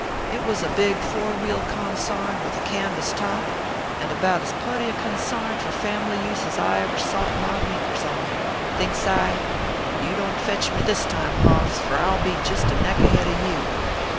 It war a big four wheel consarn, with a canvas top, and about as putty a consarn for family use as ever I sot my winkers on. Thinks I :" You don t fetch me this time, hoss ; for I ll be jist a neck ahead of you